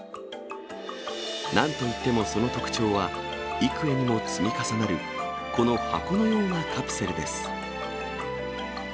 なんといってもその特徴は、幾重にも積み重なるこの箱のようなカプセルです。